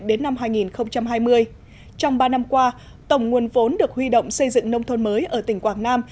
đến năm hai nghìn hai mươi trong ba năm qua tổng nguồn vốn được huy động xây dựng nông thôn mới ở tỉnh quảng nam